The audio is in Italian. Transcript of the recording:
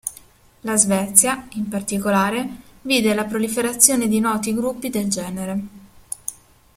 La Svezia, in particolare, vide la proliferazione di noti gruppi del genere.